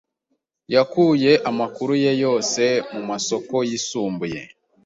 Yakuye amakuru ye yose mumasoko yisumbuye.